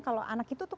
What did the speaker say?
kalau anak itu tuh